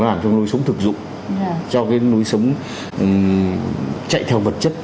nó làm cho nối sống thực dụng cho cái nối sống chạy theo vật chất